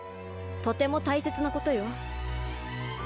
とても大切なことよ。